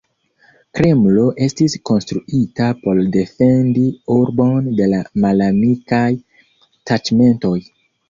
Kremlo estis konstruita por defendi urbon de malamikaj taĉmentoj.